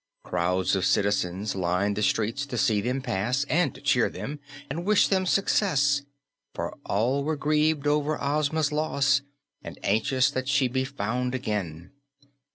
Crowds of citizens lined the streets to see them pass and to cheer them and wish them success, for all were grieved over Ozma's loss and anxious that she be found again.